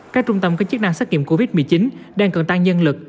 các trung tâm có chức năng xét nghiệm covid một mươi chín đang cần tăng nhân lực